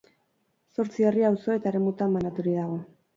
Zortzi herri, auzo eta eremutan banaturik dago.